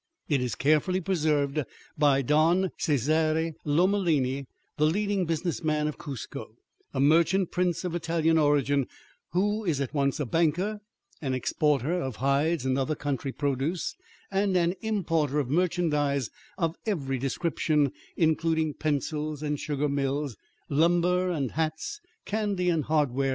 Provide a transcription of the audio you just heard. It is carefully preserved by Don Cesare Lomellini, the leading business man of Cuzco, a merchant prince of Italian origin, who is at once a banker, an exporter of hides and other country produce, and an importer of merchandise of every description, including pencils and sugar mills, lumber and hats, candy and hardware.